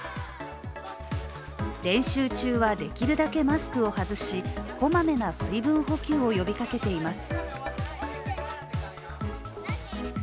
練習中はできるだけマスクを外しこまめな水分補給を呼びかけています。